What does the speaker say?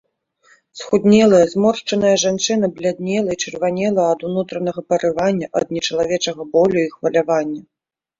Схуднелая, зморшчаная жанчына бляднела і чырванела ад унутранага парывання, ад нечалавечага болю і хвалявання.